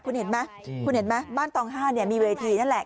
คุณเห็นไหมบ้านตองห้ามีเวทีนั่นแหละ